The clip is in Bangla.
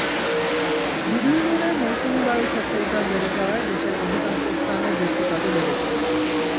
দুদিন ধরে মৌসুমি বায়ুর সক্রিয়তা বেড়ে যাওয়ায় দেশের অধিকাংশ স্থানে বৃষ্টিপাতও বেড়েছে।